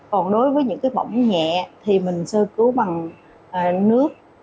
còn đối với những cái bỏng nhẹ thì mình sơ cứu bằng nước